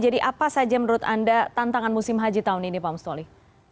ada apa apa yang menurut anda tantangan musim haji tahun ini pak mustoli